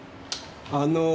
あの？